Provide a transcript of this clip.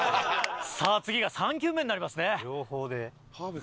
さあ次が３球目になりますね。